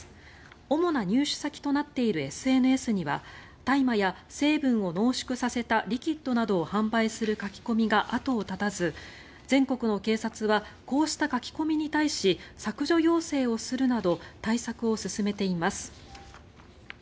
主な入手先となっているＳＮＳには大麻や成分を濃縮させたリキッドなどを販売する書き込みが後を絶たず、全国の警察はこうした書き込みに対し削除要請をするなど対策を進めています。